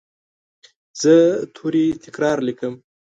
زه توري تکرار لیکم.